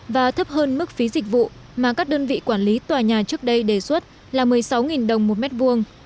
và thấp hơn mức phí dịch vụ mà các đơn vị quản lý tòa nhà trước đây đề xuất là một mươi sáu đồng một mét vuông